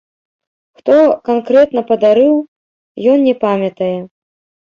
Хто канкрэтна падарыў, ён не памятае.